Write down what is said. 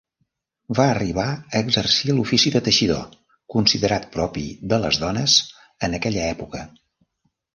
Va arribar a exercir l'ofici de teixidor considerat propi de les dones en aquella època.